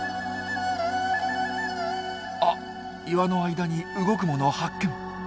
あっ岩の間に動くもの発見。